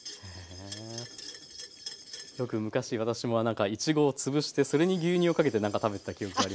よく昔私もなんかいちごをつぶしてそれに牛乳をかけてなんか食べてた記憶があります。